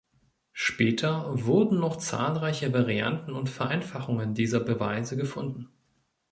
Später wurden noch zahlreiche Varianten und Vereinfachungen dieser Beweise gefunden.